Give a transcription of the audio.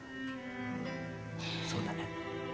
そうだね。